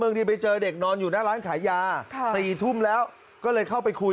ดีไปเจอเด็กนอนอยู่หน้าร้านขายยา๔ทุ่มแล้วก็เลยเข้าไปคุย